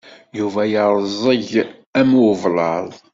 Yuba yeεẓeg am ublaḍ.